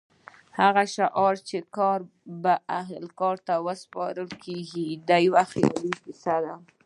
هغه شعار چې کار به اهل کار ته سپارل کېږي یو خیالي کیسه ده.